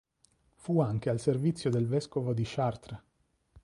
Fu anche al servizio del vescovo di Chartres.